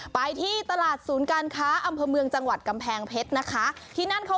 ไปที่ตลาดศูนย์การค้าอำเภอเมืองจังหวัดกำแพงเพชรนะคะที่นั่นเขา